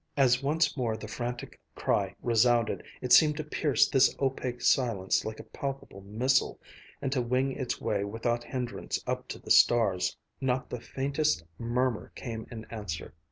As once more the frantic cry resounded, it seemed to pierce this opaque silence like a palpable missile, and to wing its way without hindrance up to the stars. Not the faintest murmur came in answer.